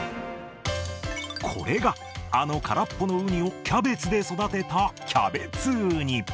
これが、あの空っぽのウニをキャベツで育てたキャベツウニ。